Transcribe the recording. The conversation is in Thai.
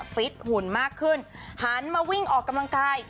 ฟิตหุ่นมากขึ้นหันมาวิ่งออกกำลังกาย